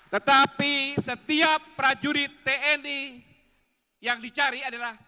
tetapi setiap prajurit tni yang dicari adalah